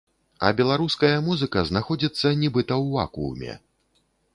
А беларуская музыка знаходзіцца нібыта ў вакууме.